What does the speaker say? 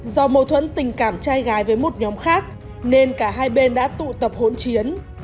do mâu thuẫn tình cảm trai gái với một nhóm khác nên cả hai bên đã tụ tập hỗn chiến